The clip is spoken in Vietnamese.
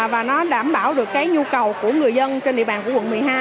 và nó đảm bảo được cái nhu cầu của người dân trên địa bàn của quận một mươi hai